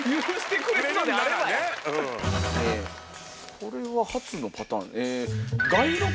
これは初のパターン。